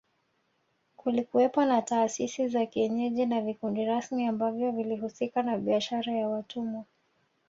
Kulikuwepo na taasisi za kienyeji na vikundi rasmi ambavyo vilihusika na biashara ya watumwa